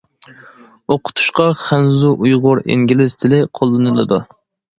ئوقۇتۇشتا خەنزۇ، ئۇيغۇر، ئىنگلىز تىلى قوللىنىلىدۇ.